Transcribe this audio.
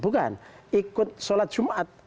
bukan ikut sholat jumat